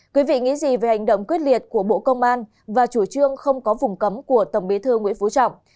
quý vị nghĩ gì về hành động quyết liệt của bộ công an và chủ trương không có vùng cấm của tổng bí thư nguyễn phú trọng